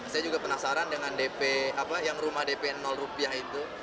saya juga penasaran dengan dp yang rumah dp rupiah itu